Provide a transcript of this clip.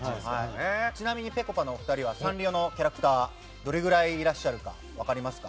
ちなみに、ぺこぱのお二人はサンリオのキャラクターどれぐらいいらっしゃるか分かりますか？